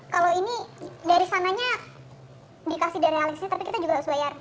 kalau ini dari sananya dikasih dari realistis tapi kita juga harus bayar